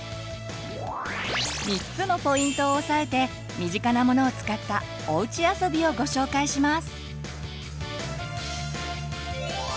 ３つのポイントを押さえて身近なものを使ったおうちあそびをご紹介します。